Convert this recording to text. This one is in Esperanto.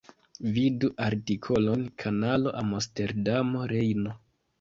Vidu artikolon Kanalo Amsterdamo–Rejno.